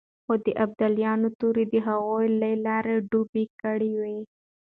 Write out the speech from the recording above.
خو د ابدالیانو تورو د هغوی لاره ډب کړې وه.